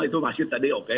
itu masih tadi oke